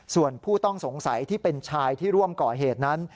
ส่วนผู้ต้องสงสัยที่เป็นชายที่ร่วมก่อเหตุนั้น